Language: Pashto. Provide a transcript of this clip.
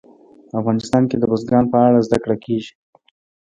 افغانستان کې د بزګان په اړه زده کړه کېږي.